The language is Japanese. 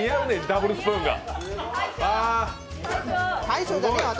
ダブルスプーンが。